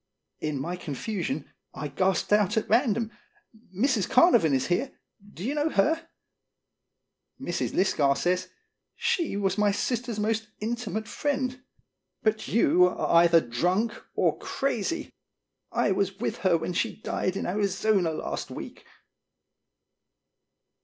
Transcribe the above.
In my confusion I gasped out at random: " Mrs. Carnavon is here. Do you know her?" Mrs. Lisgar says: "She was my sister's most intimate friend. But you are either drunk or crazy. I was with her when she died in Arizona last week."